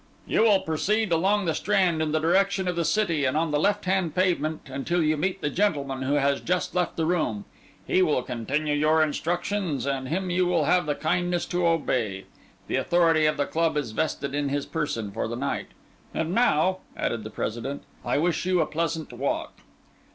"You will proceed along the Strand in the direction of the City, and on the left hand pavement, until you meet the gentleman who has just left the room. He will continue your instructions, and him you will have the kindness to obey; the authority of the club is vested in his person for the night. And now," added the President, "I wish you a pleasant walk."